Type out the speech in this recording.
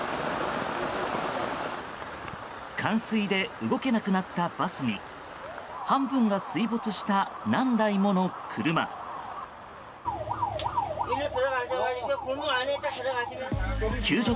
冠水で動けなくなったバスに半分が水没した何台もの車。